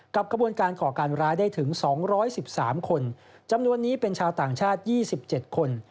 กระบวนการก่อการร้ายได้ถึง๒๑๓คนจำนวนนี้เป็นชาวต่างชาติ๒๗คน